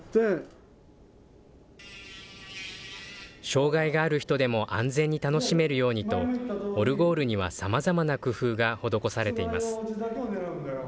障害がある人でも安全に楽しめるようにと、オルゴールにはさまざまな工夫が施されています。